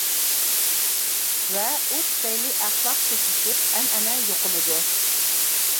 ۋە ئۇ تۈپەيلى ئەخلاق سۇسلىشىپ، ئەنئەنە يوقىلىدۇ.